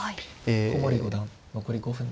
古森五段残り５分です。